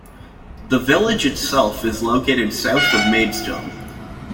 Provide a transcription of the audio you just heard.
The village itself is located south of Maidstone.